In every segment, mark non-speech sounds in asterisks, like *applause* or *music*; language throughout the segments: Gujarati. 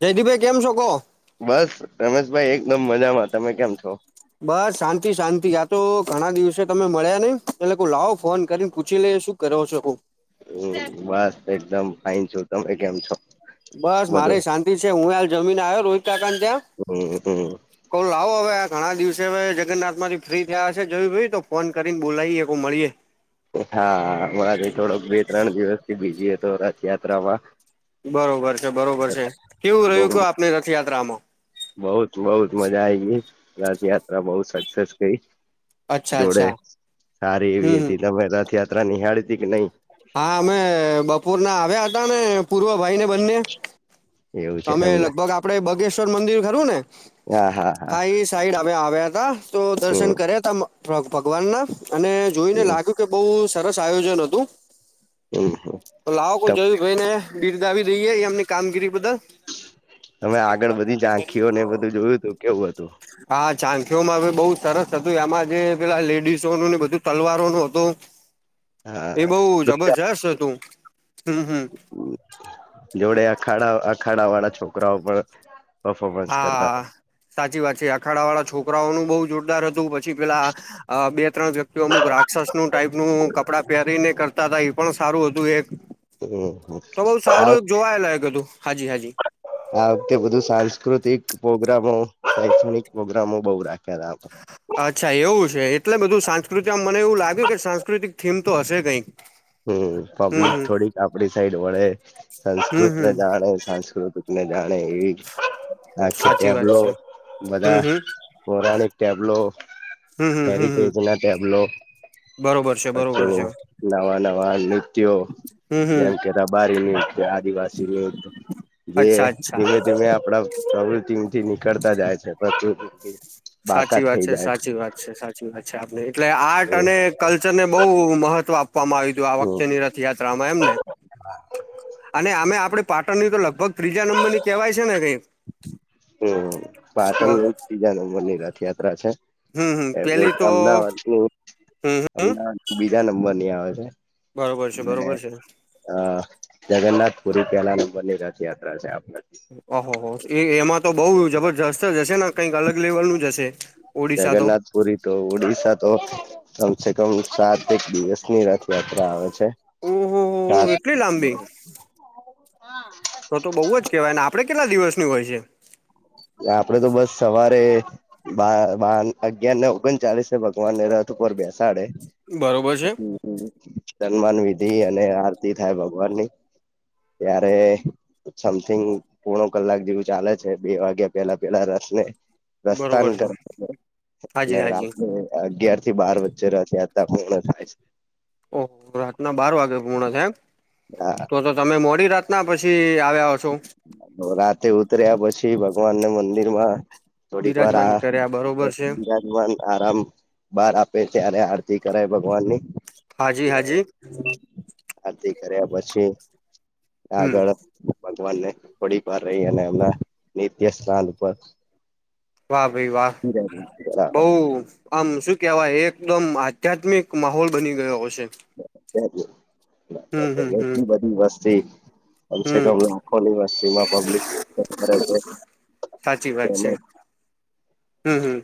જયતી ભાઈ કેમ છો કો. બસ રમેશભાઈ એકદમ મજામાં તમે કેમ છો? બસ શાંતિ શાંતિ આ તો ઘણા દિવસે તમે મળ્યા નહી એટલે કો લાવો ફોન કરીને પૂછી લે શું કરો છો કો. હમ બસ એકદમ ફાઈન છું તમે કેમ છો? બસ મારે બધું શાંતિ છે હું હાલ જમીને આવ્યો રોહિત કાકા ને ત્યાં. હમ હમ કઉ લાવો હવે આ ઘણા દિવસે હવે જગન્નાથ માંથી ફ્રી થયા હશે જોયું જઉ ભાઈ તો ફોન કરીને બોલાઈ એ મળીયે. હા હમણાં થોડોક બે ત્રણ દિવસથી બીજી હતો રથયાત્રામાં બરોબર છે બરોબર છે કેવું રહ્યું કે આપણી રથયાત્રામાં બઉત બઉત મજા આઈ ગઇ રાથયાત્રા બહુ સક્સેસ ગઈ. અચ્છા જોડે અચ્છા સારી એવી હમ હમ હતી તમે રથયાત્રા નિહાળી હતી કે નઈ. હા અમે બપોર ના આવ્યા હતા ને પૂર્વ ભાઈ ને બંને. એવું છે અમે એમને લગભગ આપડે બગેશ્વર મંદિર ખરું ને હા એ સાઈડ અ આવ્યા તા. તો દર્શન હમ કરયા તા ભગ ભગવાન ના અને જોઈને લાગ્યું કે બહુ સરસ આયોજન હતું. હમ હું. તો લાવો કોઈ જોયું ભાઈ ને બિર્દાવી દઈએ એમની કામગીરી બદલ તમે આગળ બધી ઝાંખીઓને એ બધું જોયું હતું કેવું હતું. હા ઝાનખીઓમાં હ બહુ સરસ હતું એમાં જે પેલા લેડીસો ન ને બધું તલવારો નું હતું. એ હા બઉ જબરજસ્ત હતું હમ હમ. જોડે અખાડા અખાડા વાળા છોકરાઓ પણ પફોમન્સ કરતા હા સાચી વાત છે અખાડા વાળા છોકરાઓનું બહુ જોરદાર હતું પછી પેલા અ બે ત્રણ વ્યક્તિઓ અમુક રાક્ષસ નું ટાઈપનું કપડાં પહેરીને કરતા હતા એ પણ સારું હતું એક હમ તો બઉ આ સારું એક જોવાય લાયક હતું હાજી હાજી. આ વખતે બધું સાંસ્કૃતિક પ્રોગ્રામો શૈક્ષણિક પ્રોગ્રામો બઉુ રાખ્યા હતા આ. અચ્છા એવું છે એટલે બધું સાંસ્કૃતમાં મને એવું લાગ્યું કે સાંસ્કૃતિક થીમ તો હશે કઈ. *unintelligible* હમ પબ્લિક થોડીક આપડી સાઈડ વળે હમ સંસ્કૃત હમ ને જાણે સાસ્કૃત ને જાણે એવી આખ સાચી વાત એબલો છે હમ બધા હમ પોરાણિક ટેબ્લો હમ હમ હમ હમ હેરિટેજ ના ટેબ્લો બરોબર છે બરોબર પછી છે નવા નવા તેઓ હમ હમ જેમ કે, રબારીની સે, આદિવાસી ની જે અચ્છા અચ્છા ધીમે ધીમે આપડા પ્રવૃતિંથી નીકળતા જાય છે, પ્રકૃતિથી સાચી બાકાત વાત થઈ છે, જાય સાચી વાત. અસચ સાચી વાત છે, આપને એટલે આર્ટ છે. અને કલ્ચર ને બઉ મહત્વ આપવામાં આયવુ તું આ વખતેની ર થ યાત્રામાં એમ ને. અને આમે આપડે પાટણની તો લગભગ ત્રીજા નંબર ની કેવાય છે ને કઈ. હમ્મ, પાટણ બઉ ત્રીજા નંબર ની રથયાત્રા છે. હમ હમ એવુજ પેલી તો અમદાવાદની... હમ હમ અમદાવાદ બીજા નંબર ની આવે છે. બરોબર છે, અને બરોબર છે. અ જગન્નાથ પુરી પેલા નંબર ની રથયાત્રા છે આપડે. અહો, હો હો! એ એમાં તો બઉ જબરજસ્ત જ હશે ને કંઈક અલગ લેવલ નું જ હશે. ઓડિશા તો જગન્નાથ પુરી તો ઉડિશા તો કમસે કમ સાત એક દિવસની રથયાત્રા આવે છે. ઓહો હો ચા, હ. એટલી લાંબી તો તો બઉ જ કેવાય ને, આપડે કેટલા દિવસની હોય છે? આપડે તો બસ સવારે બા બાર ન અગિયાર ને ઓગન ચાલીસે ભગવાન ને રથ ઉપર બેસાડે. બરોબર છે. તન્માન વિધિ અને આરતી થાય ભગવાન ની. ત્યારે સમથિંગ પોણો કલાક જેવું ચાલે છે બે વાગે પેલા પેલા રસ ને રસ્તાન બરોબર છે કર હાજી અને હાજી રાતે અગિયાર થી બાર વચ્ચે રથયાત્રા પૂર્ણ થાય સે. ઓહ! રાતના બાર વાગે પૂણઅ થાય એમ. આ. તો તો તમે મોડી રાતના પછી આવ્યા હસ ઓ રાતે ઉતર્યા પછી ભગવાનને મંદિર માં થોડીક વાર બિરાજમાન આ કર્યા બરોબર છે ભગવાન આરામ બાર આપે, ત્યારે આરતી કરે ભગવાન ની. હાજી-હાજી. આરતી કર્યા પછી હમ આગળ ભગવાન ને થોડીક વાર રહી અને એમના નિત્ય સ્થાન પર વાહ ભઈ, વાહ! બઉ આમ સું કેવાય એકદમ આધ્યાત્મિક માહોલ બની ગયો હશે. હમ હમ ત્યારે હમ એટલી બધી વસ્તી અમ સે કમ હમ તો લાખો યુનિવર્સિમાં પબ્લિક કરે છે, *inaudible* હમ્મ-હમ્મ.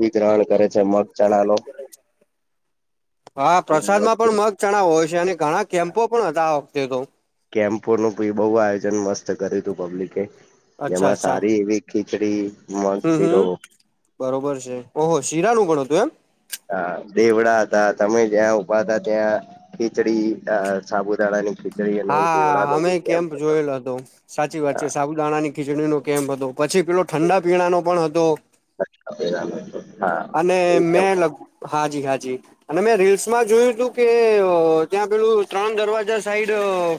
વિતારણ કરે છે. મગ, ચળા નો હા અને પ્રસાદમાં પણ મગ ચણા હોય છે અને ઘણા કેમ્પો પણ હતા આ વખ્તે તો. કેમ્પોનું બી બઉ આયોજન મસ્ત કરેલુ, પબ્લિકે. અચ્છા એમાં અચ્છા સારી એવી ખીચડી, મગ, હમ હમ શીરો,.... બરોબર છે. ઓહો! શીરાનું પણ હતું એમ. હા દેવડા અતા, તમે જ્યાં ઊભા હતા ત્યાં. ખીચડી અ સાબુદાણા ની ખી હા હમે કેમ્પ જોયેલો હતો સાચી વાત અ છે, સાબૂ દાણાની ખીચડીનો કેમ્પ હતો, પછી પેલો ઠંડા પીણા નો પણ હતો બરાબર હા અને એ મે ત્યાં લગ હાજી હા જી અને મેં રીલ્સમાં જોયું તું કે ત્યાં પેલું ત્રણ દરવાજા સાઈડ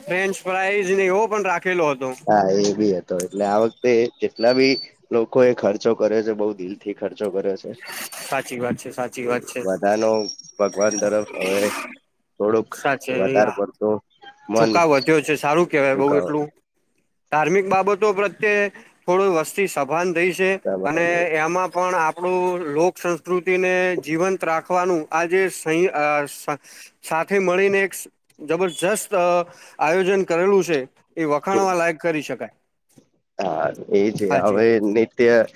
ફ્રેન્ચ ફાઈઝ ને એવો પણ રાખેલો હતો. હા એ બી હતો એટલે આ વખતે જેટલા બી લોકો એ ખર્ચો કર્યો છે, બઉ દિલ થી ખર્ચો કરે છે, સાચી વાત છે સાચી વાત છે વધાનો. ભગવાન તરફ હવે થોડુંક સાચે વધારે પડ ચુકાવ વધ્યો છે, સારું કેવાય બઉ ચુકાવ એટલું. ધાર્મિક બાબતો પ્રત્યે થોડું વસ્તી સભાન થઈ છે, અને એમાં પણ આપ આપણું લોક સંસ્કૃતિને જીવંત રાખવાનું આ જે *unintelligible* સાથે મળીને એક જબરજસ્ત આયોજન કરેલું છે. એ વખાણવા લાયક કરી શકાય હા એ છે, હાજી હવે હાજી *unintelligible*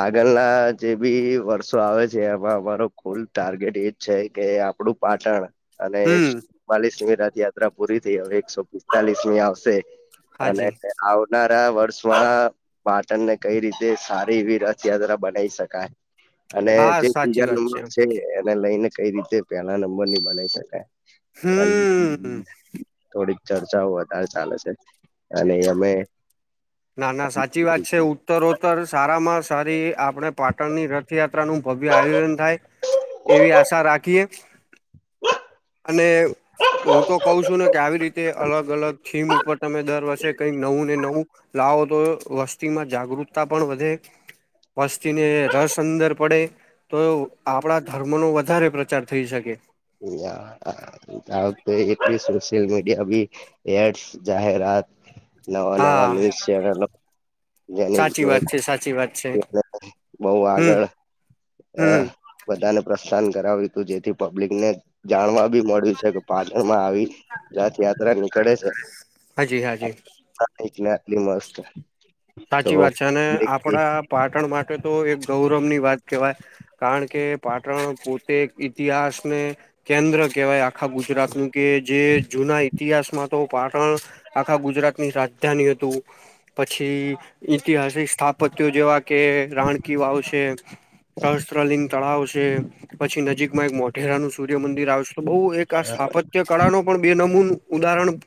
આગળના જે બી વર્ષો આવે છે, એમાં અમારો કુલ ટાર્ગેટ એ છે, કે આપડું પાટણ. અને એકસો હમ ચુમાલીસમી રથયાત્રા પૂરી થઈ હવે એકસો પિસ્તાલીસમી આવશે. અને હાજી આવનારા વર્ષમાં. પાટણને કઈ રીતે સારી એવી રથયાત્રા બનાવી શકાય. અને હા જે સાચી બીજા વાત નંબર છે, એને લઈને કઈ રીતે પેલા નંબર નહી બનાવી શકાય. એ હમ થોડીક ચર્ચાઓ વધારે ચાલે છે. અને અમે. ના ના સાચી વાત છે. ઉત્તરોત્તર સારામાં સારી આપણે પાટણની રથયાત્રાનું ભવ્ય આયોજન થાય. એવી આશા રાખીએ અને. હું તો કઉ છું ને કે આવી રીતે અલગ અલગ થીમ ઉપર તમે દર વર્ષે કઈક નવું ને નવું. *unintelligible* તો વસ્તીમાં જાગૃતતા પણ વધે. વસ્તીને રસ અંદર પડે તો આપણા ધર્મનો વધારે પ્રચાર થઈ શકે. *unintelligible* ધારોકે એટલી સોશિયલ મીડિયા ભી એડસ જાહેરાત. નવા નવા હા ન્યુઝ ચેનલો. જેની સાચી જોડે વાત છે સાચી વાત છે બહું હમ આગળ. અ હમ બધાને પ્રસ્થાન કરાવ્યું તું જેથી પબ્લિકને જાણવા બી *unintelligible* હોઈ શકે પાટણમાં આવી રથયાત્રા નીકળે છે. હાજી હાજી હા એટલે આટલી *unintelligible* સાચી તો વાત છે, અને આપડા. પાટણ માટે તો એક ગૌરવની વાત કહેવાય કારણ કે પાટણ પોતે. ઇતિહાસને કેન્દ્ર કહેવાય આખા ગુજરાતનું કે જે જૂના. ઇતિહાસમાં તો પાટણ આખા ગુજરાતની રાજધાની હતું પછી. ઐતિહાસિક સ્થાપત્ય જેવા કે રાણકી વાવશે સહસ્ત્રલિંગ. તળાવ છે, પછી નજીકમાં એક મોઢેરાનું સૂર્યમંદિર આવશે તો બહુ એક આ સ્થાપત. તે કળા નુ પણ બે નંબરનું ઉદાહરણ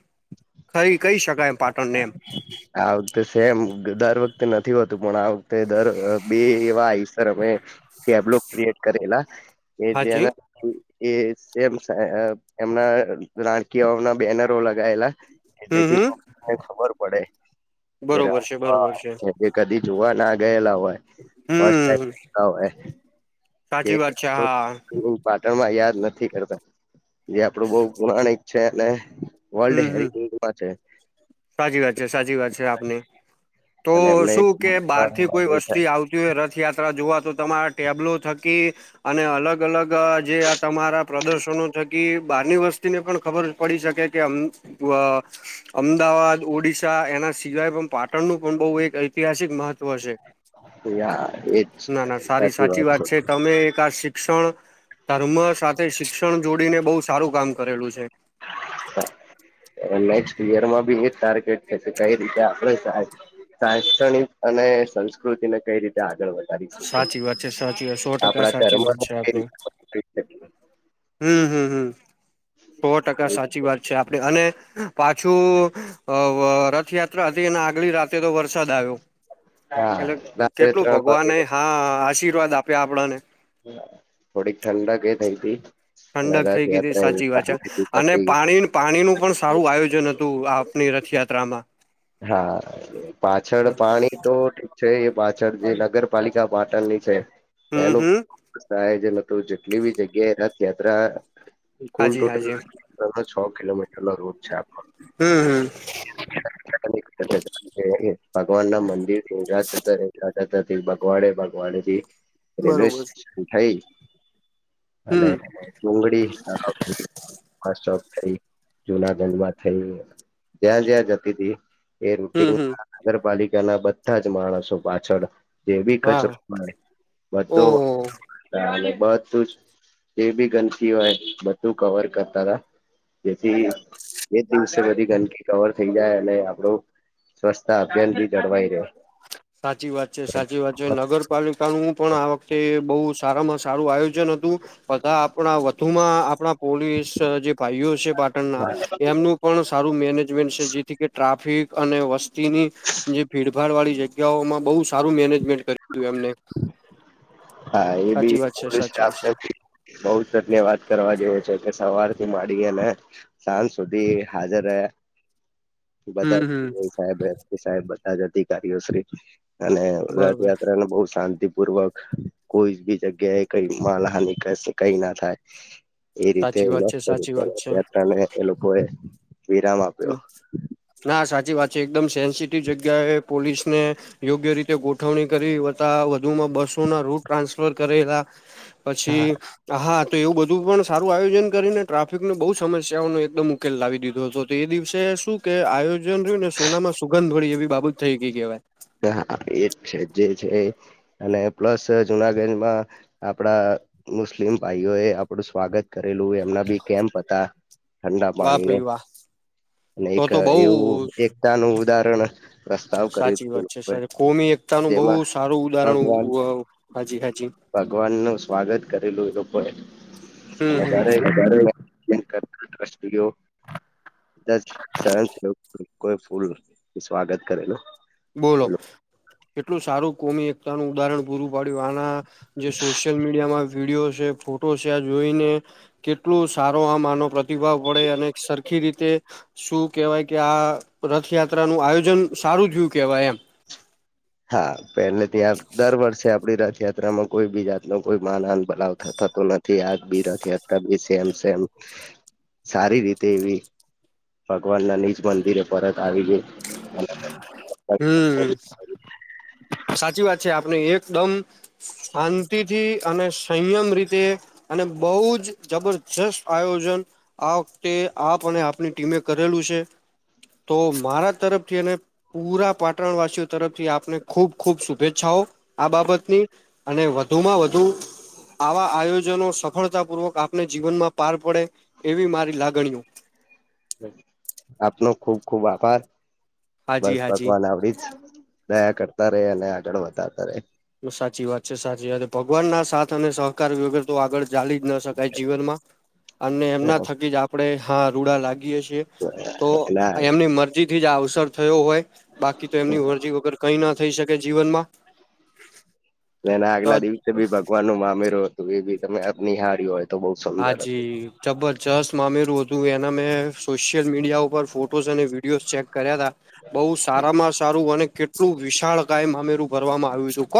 થઈ કહી શકાય પાટણને એમ. આ વખતે સેમ દર વખતે નથી હોતું પણ આ વખતે દર બે એવા આઈસર અમે. કેબ્લો ક્રિએટ કરેલા કે હાજી જેના. એ *unintelligible* એમના રાણકીવાવ ના બેનરો લગાયેલા. હમ્મ હમ્મ. મને ખબર પડે કે છે બરોબર રામાં છે કે કદી જોવા ના ગયેલા હોય. ફસ્ટ હમ સાચી વાત છે હા ટાઈમ *unintelligible* પાટણ માં યાદ નથી કરતા જે આપડું બહું પૌરાણિક છે, અને. વર્લ્ડ હમ હમ હેરીટેજમાં છે. સાચી વાત છે, સાચી વાત છે, આપની તો અને એમને એજ શું કે બહાર થી કોઈ વસ્તી આવતી. જો રથયાત્રા જોવા તો તમારા ટેબ્લો થકી અને અલગ. અલગ અલગ જે આ તમારા પ્રદર્શનો થકી બારની વસ્તુ વેકતી ને પણ ખબર પડી શકે કેમ અ હમ્મ. અમદાવાદ ઓડિશા એના સિવાય પણ પાટણનું પણ બહુ એક ઐતિહાસિક મહત્વ છે. ના ના સારી સાચી વાત છે તમે એક આ સી શિક્ષણ ધર્મ સાથે શિક્ષણ જોડીને બહુ સારું કામ કરેલું છે. નેક્સ્ટ યર માં બી એ ટાર્ગેટ છે કઈ રીતે આપણે સારી શૈક્ષણિક અને સંસ્કૃતિ ને કઈ રીતે આગળ વધે સાચી વાત છે સાચી વાત સો ટકા સાચી વાત ધર્મને છે કઈ આપડે *unintelligible* હમ્મ હમ્મ હમ્મ સો ટકા સાચી વાત છે આપણે અને પાછું રથયાત્રા હતી અને આગલી રાતે તો વરસાદ આવ્યો. હા એટલે રાત્રે કેટલું ત્રણ ભગવાન વાગે હા આશીર્વાદ આપ્યા આપણાને થોડીક ઠંડક કે થઇ તી ઠંડક થઈ ગઈ હતી સાચી વાત છે અને પતી પાણી પાણી નું પણ સારું આયોજન હતું તું આપની રથયાત્રામાં હા પાછળ પાણી તો ઠીક છે એ પાછળ જે નગરપાલિકા પાટણની છે હમ એનું હમ ાય જે લ જેટલી બી જગ્યાએ રથયાત્રા ખુલ હાજી ટોટલ હાજી બો છ કિલોમીટર નો રૂટ છે આપ હમ્મ. *unintelligible* ભગવાન ના મંદિર રજાતા રહેલાતા ભગવાડે ભગવાડ થી રેલવે બરોબર સ્ટેશન થઈ અને હમ ડુંગળી *unintelligible* થઈ જુનાગઢ માં થઈ જ્યાં જ્યાં જતી ટી. એ હમ હમ રૂટીનમાં નગરપાલિકા ના બધા જ માણસો પાછળ જે બી કચરો હા મળે બધોલે ઓહ બધું જ એ બી ગંદકી હોય બધું કવર કરતા હતા જેથી બે દિવસે બધી ગંદકી કવર થઈ જાય અને ક સ્વચ્છતા અભિયાન ભી જળવાઈ રહ્યો. સાચી વાત છે સાચી વાત છે નગરપાલિકાનું પણ આ વખતે બહુ સારામાં સારું આયોજન હતું બધા આપણા વધુમાં આપણા પોલીસ જે ભાઈઓ છે પાટણના એમનું પણ સારું મેનેજમેન્ટ છે જેથી કે ટ્રાફિક અને વસ્તીની જે ભીડભાડ વાળી જગ્યા બ સારું મેનેજમેન્ટ કરું એમને. હા એ બી સાચી વાત બોલું છે સાચી આમ વાત બૌ સત્ય વાત કરવા જોઈએ છે કે સવાર થી માંડીએ ને સાંજ સુધી હાજર રહે. *inaudible* હમ બધા સાહેબ સાહેબ બધા જ અધિકારીઓ શ્રી અને બરોબર રથયાત્રાને બહ શાંતિપૂર્વક કોઈ બી જગ્યાએ કઈ માલહાન કઈ ના થાય એ રીતે સાચી વાત છે સાચી વાત છે યાત્રા ને એ લોકો એ વિરામ આપ ના સાચી વાત છે એકદમ સેન્સિટિવ જગ્યાએ પોલીસ ને યોગ્ય રીતે ગોઠવણી કરીતા વધુમાં બસો ના રૂટ ટ્રાન્સફર કરેલા. હા પછી હા તો એવું બધું પણ સારું આયોજન કરીને ટ્રાફિકને બહુ સમસ્યાઓનો એકદમ ઉકેલ લાવી દીધો હતો. તો એ દિવસે શું કે આયોજન રહ્યું ને સોનામાં સુગંધોળી એવી બાબત થઈ ગઈ કહેવાય. હા એ જ છે જે છે અને પ્લસ જુનાગજમાં આપડા મુસ્લિમ ભાઈઓ એ આપડું સ્વાગત કરેલું એમના બી કેમ્પ હતા ઠંડા વાહ પાણી ન ભાઈ વાહ. અને તો એક તો બહુ એવું એક નું ઉદાહરણ પ્રસ્તાવ કરી તું. *unintelligible* કોમી એકતા નનું બહુ સારું ભગવાન ઉદાહરણ હાજી હજી ભગવાન નું સ્વાગત કરેલું એ લોકોએ હમ અને હમ જારે. *unintelligible* કદાચ સહન કોઈ ફૂલ સ્વાગત કરે ને. બોલો એટલું સારું કોમી. પોતાનું ઉદાહરણ પૂરું પાડ્યું આના જે સોશિયલ મીડિયામાં. વિડીયો છે ફોટો છે આ જોઈને. કેટલું સારો આ માનો પ્રતિભાવ પડે અને સરખી રીતે. શું કેવાય કે આ રથયાત્રા નું આયોજન સારું થયું કેવાય એમ. હા પેલે ત્યાં દર વર્ષે આપડી રથયાત્રામાં કોઈ બી જાત ન કોઈ માન આન બલાવ થતો નથી આ બી રથયાત્રા બી સેમ સેમ સારી રીતે એવી ભગવાન ના નિનીજ મંદિરે પરત આવી ગયો- - હમ- - સાચી વાત છે આપણે એકદમ શાંતિથી અને સંયમ રીતે- - અને બોહ જ જબરજસ્ત આયોજન- - આ વખતે આપ અને આપની ટીમે કરેલું છે. તો મારા તરફથી અને પુરા પાટણવાસીઓ તરફથી આપને- - ખૂબ ખૂબ શુભેચ્છાઓ આ બાબતની અને વધુમાં વધુ- - આવા આયોજનો સફળતાપૂર્વક આપને જીવનમાં પાર પડે એવી મારી લાગણીઓ- - આપનો ખુબ ખુબ આભાર બસ હાજી હાજી ભગવાન આવડી જ- - દયા કરતા રે અને આગળ વધારતા રહયા. સાચી વાત છે સાચી વાત ભગવાન ના સાથ અને સહકાર વગર તો આગળ- - ચાલી જ ન શકાય જીવનમાં અને એમના થકી જ આપણે હા રૂડા લાગીએ છીએ. તો ના એમની મરજી- - થી જ અવસર થયો હોય બાકી તો એમની અરજી વગર કઈ ના થઈ શકે જીવનમાં- - એના આગલા દિવસે બી ભગવાન નું મામેરો હતું એ બી તમે નિહાળ્યો હો- - હાજી જબરજસ્ત મામેરું હતું એના મેં સોશિયલ મીડિયા ઉપર ફોટોસ અને- - વિડિઓ ચેક કર્યા ત બહુ સારામાં સારું અને કેટલું વિશાળ કાયમ મામેરુ- - કરરવામાં આવ્યું છું કોણ- -